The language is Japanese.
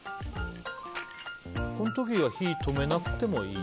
この時は火は止めなくてもいい？